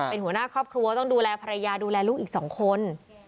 เป็นหัวหน้าครอบครัวต้องดูแลภรรยาดูแลลูกอีก๒คน